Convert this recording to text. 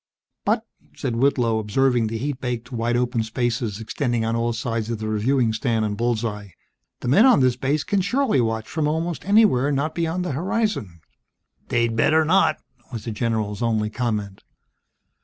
"But " said Whitlow, observing the heat baked wide open spaces extending on all sides of the reviewing stand and bull's eye, "the men on this base can surely watch from almost anywhere not beyond the horizon." "They'd better not!" was the general's only comment.